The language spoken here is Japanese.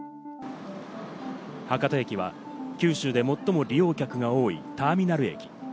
博多駅は九州で最も利用客が多い、ターミナル駅。